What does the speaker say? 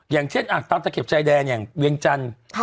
อย่างเช่นอ่ะตั้งแต่เข็บชายแดนอย่างเวียงจันทร์ค่ะ